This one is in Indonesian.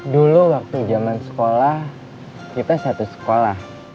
dulu waktu zaman sekolah kita satu sekolah